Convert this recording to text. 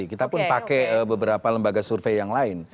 kita pun pakai beberapa lembaga survei yang lain